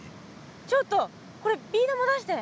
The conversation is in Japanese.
ちょっとこれビー玉出して。